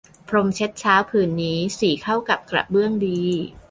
พรมเช็ดเท้าผืนนี้สีเข้ากับกระเบื้องดี